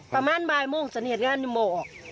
ประมาณบ่ายโมงสังเกตงานนี่โมงออก